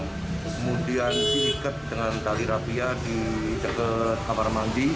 kemudian diikat dengan tali rapia di kapol